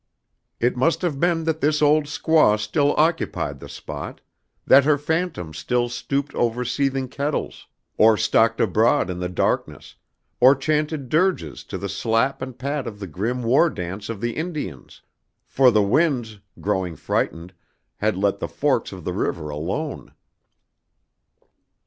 It must have been that this old squaw still occupied the spot, that her phantom still stooped over seething kettles, or stalked abroad in the darkness, or chanted dirges to the slap and pat of the grim war dance of the Indians; for the winds, growing frightened, had let the forks of the river alone.